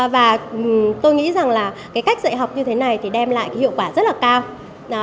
và tôi nghĩ rằng là cái cách dạy học như thế này thì đem lại cái hiệu quả rất là cao